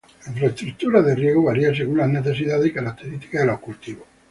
La infraestructura de riego varía según las necesidades y características de los cultivos.